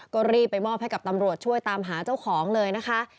ก็รีบไปมอบให้กับตำรวจช่วยตามหาเจ้าของเลยนะคะ